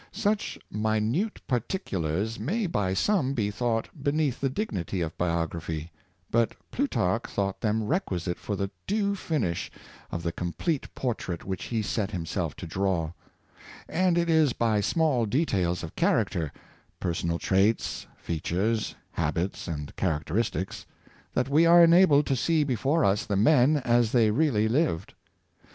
Such minute particulars may by some be thought be neath the dignity of biography, but Plutarch thought them requisite for the due finish of the complete por trait which he set himself to draw; and it is by small details of character — personal traits, features, habits, and characteristics — that we are enabled to see before us the men as they really lived.